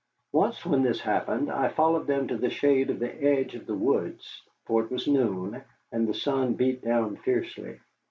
Once when this happened I followed them to the shade at the edge of the woods, for it was noon, and the sun beat down fiercely.